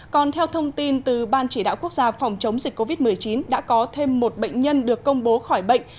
còn theo thông tin từ ban chỉ đạo quốc gia phòng chống dịch covid một mươi chín đã có thêm một bệnh nhân được công bố khỏi bệnh